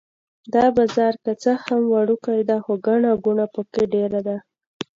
دا بازار که څه هم وړوکی دی خو ګڼه ګوڼه په کې ډېره ده.